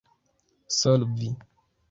solvi